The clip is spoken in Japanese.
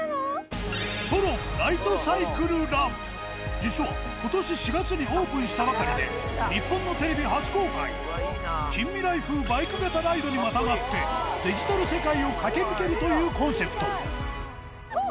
実は今年４月にオープンしたばかりで日本のテレビ初公開近未来風バイク型ライドにまたがってデジタル世界を駆け抜けるというコンセプトこう？